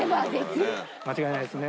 間違いないですね。